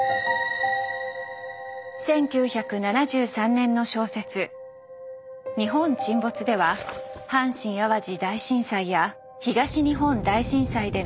１９７３年の小説「日本沈没」では阪神・淡路大震災や東日本大震災での危機を予見。